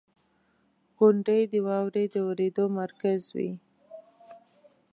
• غونډۍ د واورې د اورېدو مرکز وي.